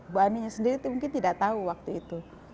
bu aninya sendiri itu mungkin tidak tahu waktu itu